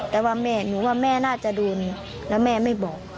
แต่ว่าแม่หนูว่าแม่น่าจะโดนแล้วแม่ไม่บอก